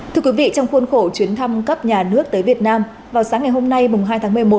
thưa quý vị trong khuôn khổ chuyến thăm cấp nhà nước tới việt nam vào sáng ngày hôm nay hai tháng một mươi một